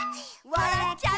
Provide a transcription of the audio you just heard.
「わらっちゃう」